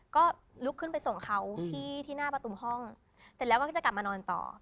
ก็ลุกขึ้นไปส่งเขาที่หน้าประตูห้องเสร็จแล้วก็จะกลับมานอนต่อ